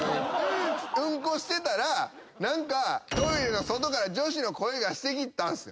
うんこしてたら何かトイレの外から女子の声がしてきたんすよ。